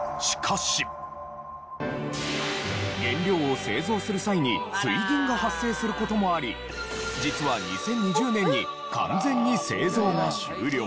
原料を製造する際に水銀が発生する事もあり実は２０２０年に完全に製造が終了。